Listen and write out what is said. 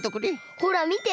ほらみて。